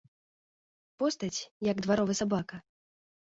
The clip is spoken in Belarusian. Постаць, як дваровы сабака.